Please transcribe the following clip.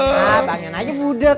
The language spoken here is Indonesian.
ha bang yan aja budek